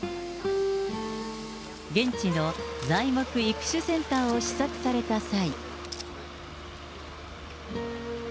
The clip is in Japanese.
現地の材木育種センターを視察された際。